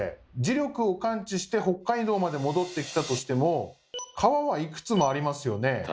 磁力を感知して北海道まで戻ってきたとしても川はいくつもありますよね？